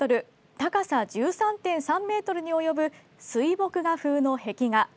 高さ１３．３メートルに及ぶ水墨画風の壁画。